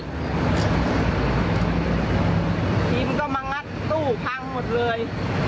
กินก็มางัดตู้พังหมดเลย